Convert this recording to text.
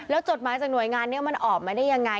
จดหมายจากหน่วยงานนี้มันออกมาได้ยังไง